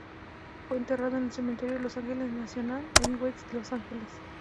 Fue enterrado en el cementerio Los Angeles National, en West Los Angeles.